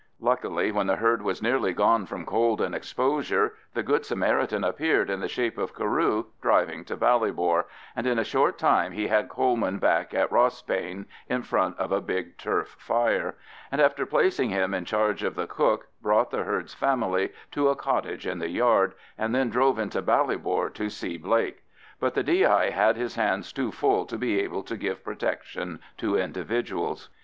Luckily, when the herd was nearly gone from cold and exposure, the good Samaritan appeared in the shape of Carew driving to Ballybor, and in a short time he had Coleman back at Rossbane in front of a big turf fire; and after placing him in charge of the cook, brought the herd's family to a cottage in the yard, and then drove into Ballybor to see Blake. But the D.I. had his hands too full to be able to give protection to individuals.